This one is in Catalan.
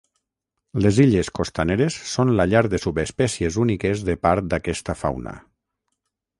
Les illes costaneres són la llar de subespècies úniques de part d'aquesta fauna.